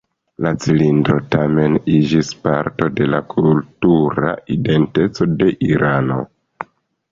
La cilindro, tamen, iĝis parto de la kultura identeco de Irano.